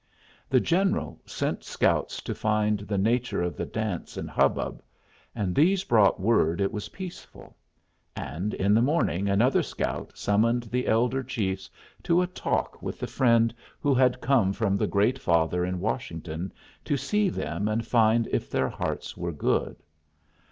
The general sent scouts to find the nature of the dance and hubbub, and these brought word it was peaceful; and in the morning another scout summoned the elder chiefs to a talk with the friend who had come from the Great Father at Washington to see them and find if their hearts were good.